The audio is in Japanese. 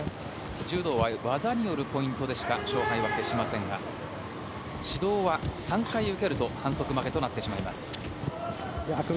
柔道は技にあるポイントでしか勝敗は決しませんが指導は３回受けると反則負けです。